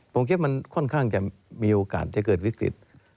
ผมคิดมันค่อนข้างจะมีโอกาสจะเกิดวิกฤต